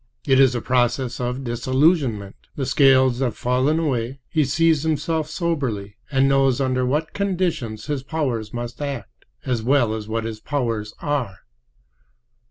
It is a process of disillusionment. The scales have fallen away. He sees himself soberly, and knows under what conditions his powers must act, as well as what his powers are.